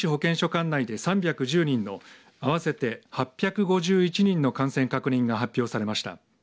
管内で３１０人の合わせて８５１人の感染確認が確認されました。